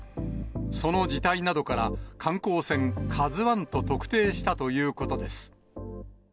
その字体などから、観光船、カズワンと特定したということです。